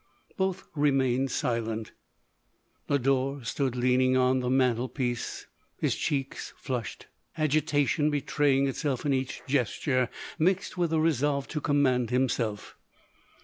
Both re mained silent. Lodore stood leaning on tin mantelpiece, his cheek flushed, agitation be traying itself in each gesture, mixed with a re solve to command himself.